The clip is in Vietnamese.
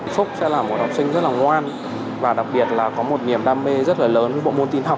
phúc sẽ là một học sinh rất là ngoan và đặc biệt là có một niềm đam mê rất là lớn với bộ môn tin học